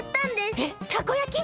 えたこ焼き！？